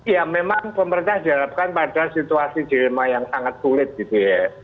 ya memang pemerintah diharapkan pada situasi dilema yang sangat sulit gitu ya